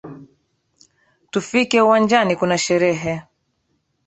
Tufike uwanjani kuna sherehe